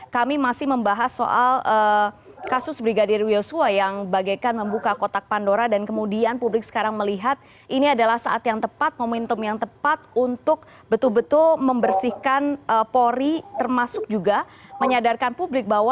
kami masih membahas soal kasus brigadir yosua yang bagaikan membuka kotak pandora dan kemudian publik sekarang melihat ini adalah saat yang tepat momentum yang tepat untuk betul betul membersihkan polri termasuk juga menyadarkan publik bahwa